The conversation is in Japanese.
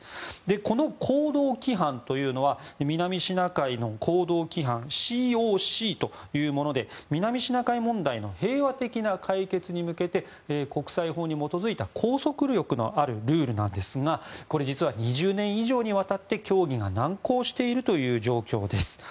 この行動規範というのは南シナ海の行動規範ＣＯＣというもので南シナ海問題の平和的な解決に向けて国際法に基づいた拘束力のあるルールなんですが実は２０年以上にわたって協議が難航している状況です。